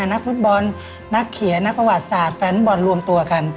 นักฟุตบอลนักเขียนนักประวัติศาสตร์แฟนบอลรวมตัวกัน